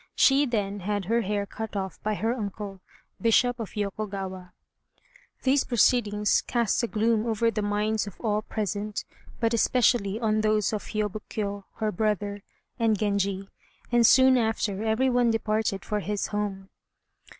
She then had her hair cut off by her uncle, Bishop of Yokogawa. These proceedings cast a gloom over the minds of all present, but especially on those of Hiôb Kiô, her brother, and Genji; and soon after every one departed for his home.